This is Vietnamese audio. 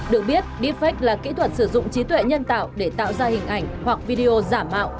được biết deepfak là kỹ thuật sử dụng trí tuệ nhân tạo để tạo ra hình ảnh hoặc video giả mạo